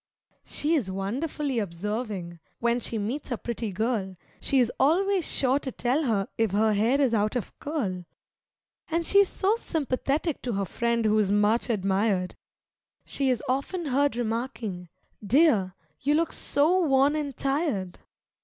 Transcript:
She is wonderfully observing when she meets a pretty girl, She is always sure to tell her if her hair is out of curl; And she is so sympathetic to her friend who's much admired, She is often heard remarking, "Dear, you look so worn and tired."